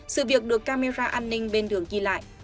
sự việc được camera an ninh bên đường ghi lại